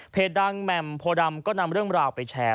ดังแหม่มโพดำก็นำเรื่องราวไปแชร์